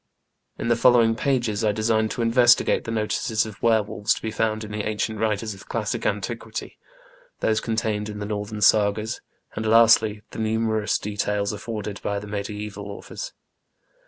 In the following pages I design to investigate the notices of were wolves to be found in the ancient writers of classic antiquity, those contained in the Northern Sagas, and, lastly, the numerous details afforded by the mediaeval authors.